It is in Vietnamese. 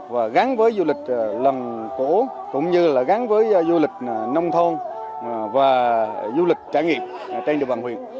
và gắn với du lịch lầm cổ cũng như là gắn với du lịch nông thôn và du lịch trải nghiệm trên địa bàn huyện